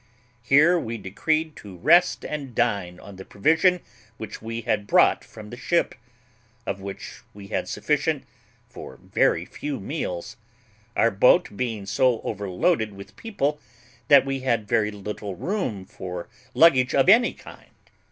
Here we decreed to rest and dine on the provision which we had brought from the ship, of which we had sufficient for very few meals; our boat being so overloaded with people that we had very little room for luggage of any kind.